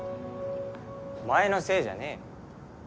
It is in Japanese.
お前のせいじゃねえよ俺が。